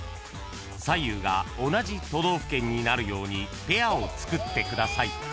［左右が同じ都道府県になるようにペアを作ってください］